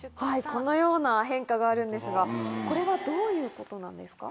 このような変化があるんですが、これはどういうことなんですか？